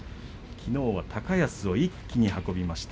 きのうは高安を一気に運びました。